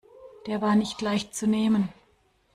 Der war nicht leicht zu nehmen.